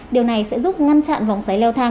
điều này sẽ giúp ngăn chặn vòng xoáy leo thang